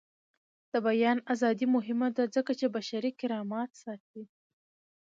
د بیان ازادي مهمه ده ځکه چې بشري کرامت ساتي.